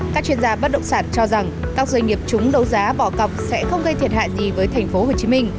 các chuyên gia bất động sản cho rằng các doanh nghiệp chúng đấu giá bỏ cọc sẽ không gây thiệt hại gì với tp hcm